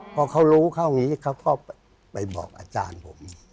พอเขารู้เข้าอย่างนี้เขาก็ไปบอกอาจารย์ผม